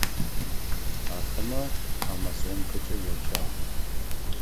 Ахэмэ «Амазонкэкӏэ» яджагъ.